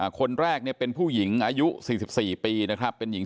คนแรกเนี่ยเป็นผู้หญิงอายุสี่สิบสี่ปีนะครับเป็นหญิง